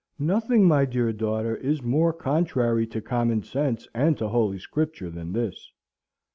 Nothing, my dear daughter, is more contrary to common sense and to Holy Scripture than this.